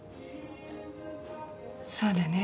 そうだね。